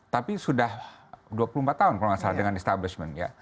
tapi sudah dua puluh empat tahun kalau nggak salah dengan establishment ya